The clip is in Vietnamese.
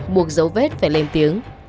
buộc dấu vết phải lên tiếng